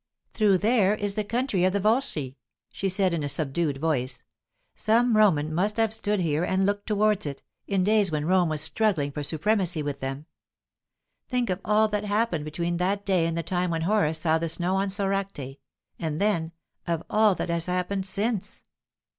"Through there is the country of the Volsci," she said, in a subdued voice. "Some Roman must have stood here and looked towards it, in days when Rome was struggling for supremacy with them. Think of all that happened between that day and the time when Horace saw the snow on Soracte; and then, of all that has happened since."